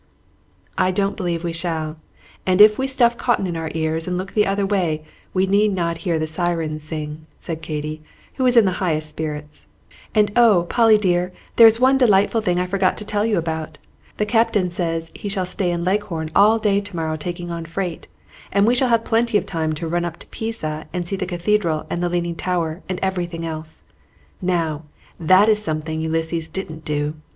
"I don't believe we shall; and if we stuff cotton in our ears and look the other way, we need not hear the sirens sing," said Katy, who was in the highest spirits. "And oh, Polly dear, there is one delightful thing I forgot to tell you about. The captain says he shall stay in Leghorn all day to morrow taking on freight, and we shall have plenty of time to run up to Pisa and see the Cathedral and the Leaning Tower and everything else. Now, that is something Ulysses didn't do!